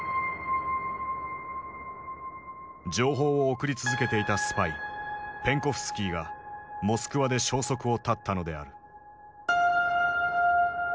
情報を送り続けていたスパイペンコフスキーがモスクワで消息を絶ったのである。